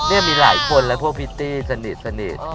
นี่มีหลายคนแล้วพวกพิตตี้สนิท